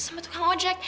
ah sama tukang ojek